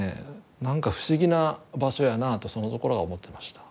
何か不思議な場所やなとそのころは思ってました。